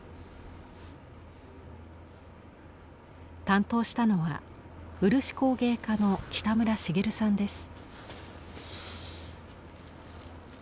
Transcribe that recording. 担当したのは漆工芸家の北村繁さんです。